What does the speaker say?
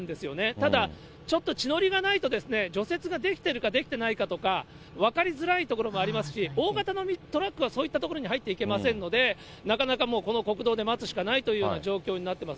ただちょっと地の利がないと、除雪ができてるかできてないかとか、分かりづらいところもありますし、大型のトラックはそういった所に入っていけませんので、なかなか、もうこの国道で待つしかないという状況になってます。